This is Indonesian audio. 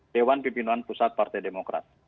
dewan pimpinan pusat partai demokrat